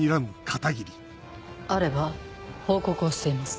あれば報告をしています。